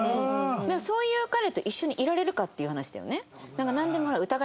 そういう彼と一緒にいられるかっていう話だよね。